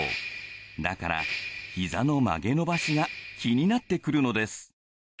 だからひざの曲げ伸ばしが気になってくるのです。